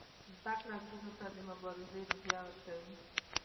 زده کړه نجونو ته د مبارزې روحیه ورکوي.